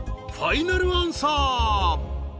ファイナルアンサー？］